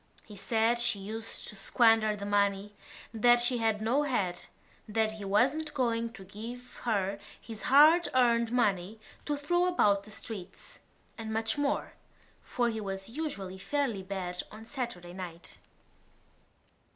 He said she used to squander the money, that she had no head, that he wasn't going to give her his hard earned money to throw about the streets, and much more, for he was usually fairly bad of a Saturday night.